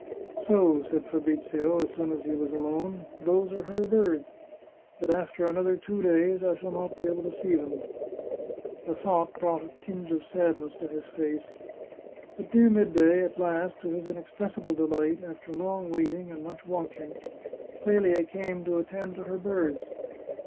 " So," said Fabrizio, as soon as he was alone, " those are her birds ! But after another two days I shall not be able to see them." The thought brought a tinge of sadness to his face. But near midday, at last, to his inexpressible delight, after long waiting and much watching, Clelia came to attend to her birds.